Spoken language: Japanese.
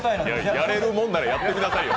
やれるもんならやってみなさいよ。